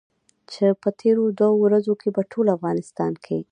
چې په تېرو دوو ورځو کې په ټول افغانستان کې.